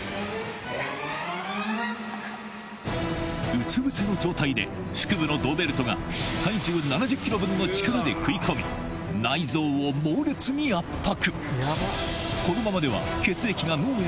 うつぶせの状態で腹部の胴ベルトが体重７０ｋｇ分の力で食い込み内臓を猛烈に圧迫